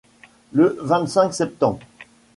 Le vingt-cinq septembre